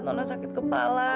nona sakit kepala